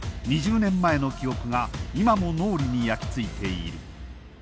２０年前の記憶が今も脳裏に焼きついている。